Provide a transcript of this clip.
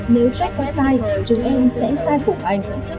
nếu jack có sai chúng em sẽ sai cũng anh